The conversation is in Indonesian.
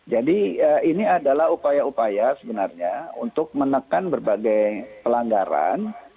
jadi ini adalah upaya upaya sebenarnya untuk menekan berbagai pelanggaran